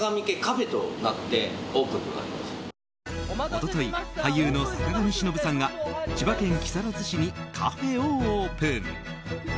一昨日、俳優の坂上忍さんが千葉県木更津市にカフェをオープン。